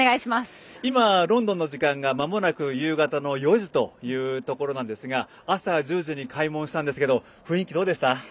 今、ロンドンの時間がまもなく夕方の４時というところなんですが朝１０時に開門したんですけれど雰囲気どうでした？